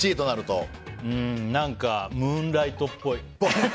何かムーンライトっぽい。